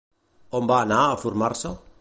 On va anar a formar-se?